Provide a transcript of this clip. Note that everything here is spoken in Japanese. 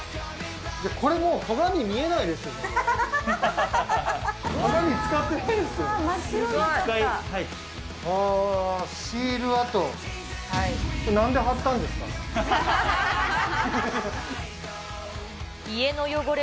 これもう、鏡見えないですよね、これ。